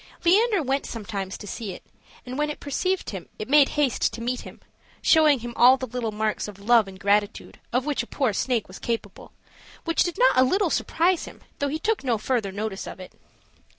Leander went sometimes to see it, and when it perceived him it made haste to meet him, showing him all the little marks of love and gratitude of which a poor snake was capable, which did not a little surprise him, though he took no further notice of it.